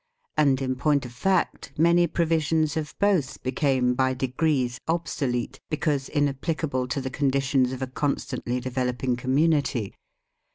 And in point of fact many provisions of both became by degrees obsolete, be cause inapplicable to the conditions of a constantly developing community.